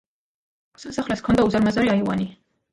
სასახლეს ჰქონდა უზარმაზარი აივანი.